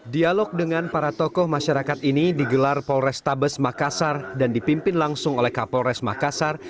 dialog dengan para tokoh masyarakat ini digelar polrestabes makassar dan dipimpin langsung oleh kapolres makassar